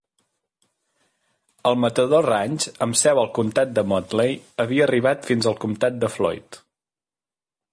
El Matador Ranch, amb seu al comtat de Motley, havia arribat fins al comtat de Floyd.